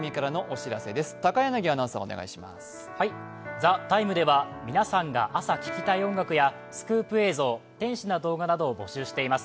「ＴＨＥＴＩＭＥ，」では皆さんが朝聴きたい音楽やスクープ映像、天使な動画などを募集しています。